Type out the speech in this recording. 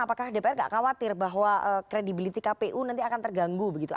apakah dpr tidak khawatir bahwa kredibilitas kpu nanti akan terganggu begitu